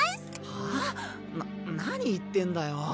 はぁな何言ってんだよ